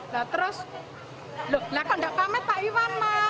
nah terus lho kenapa tidak pamit pak iwan